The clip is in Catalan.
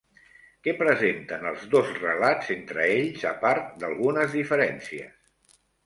Què presenten els dos relats entre ells a part d'algunes diferències?